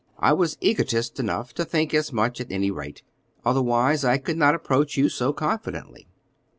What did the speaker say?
"I was egotist enough to think as much at any rate; otherwise I could not approach you so confidently.